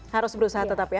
harus berusaha tetap ya